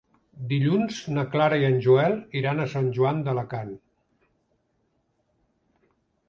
Dilluns na Clara i en Joel iran a Sant Joan d'Alacant.